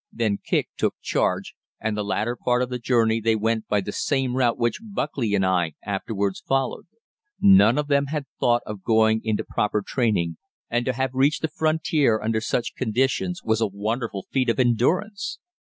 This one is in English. Then Kicq took charge, and the latter part of the journey they went by the same route which Buckley and I afterwards followed. None of them had thought of going into proper training, and to have reached the frontier under such conditions was a wonderful feat of endurance.